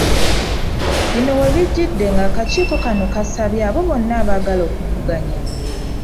Bino we bijjidde ng’akakiiiko kano kasabye abo bonna abaagala okuvuganya.